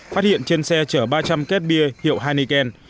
phát hiện trên xe chở ba trăm linh két bia hiệu heineken